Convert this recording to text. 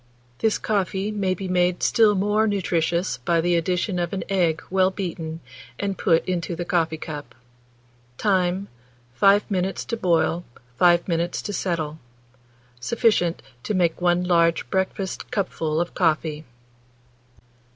This coffee may be made still more nutritious by the addition of an egg well beaten, and put into the coffee cup. Time. 5 minutes to boil, 5 minutes to settle. Sufficient to make 1 large breakfast cupful of coffee.